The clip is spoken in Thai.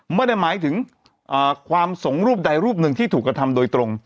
ไม่ได้หมายถึงความสงฆ์รูปใดรูปหนึ่งที่ถูกกระทำโดยตรง